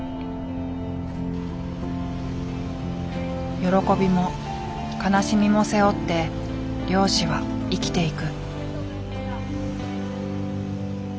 喜びも悲しみも背負って漁師は生きていく。